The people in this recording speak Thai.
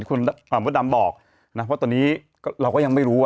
ที่คุณอ่ามวดดำบอกนะเพราะตอนนี้ก็เราก็ยังไม่รู้อ่ะ